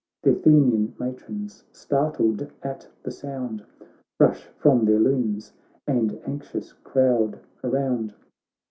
Th' Athenian matrons, startled at the sound. Rush from their looms and anxious crowd around.